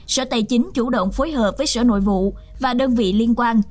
sở tài chính chủ động phối hợp với sở nội vụ và đơn vị liên quan